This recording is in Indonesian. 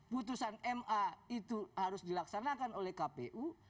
putusan ma itu harus dilaksanakan oleh kpu